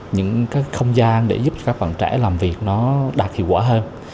những không gian để giúp các bạn trẻ làm việc đạt hiệu quả hơn